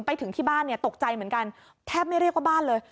ไปถึงที่บ้านเนี่ยตกใจเหมือนกันแทบไม่เรียกว่าบ้านเลย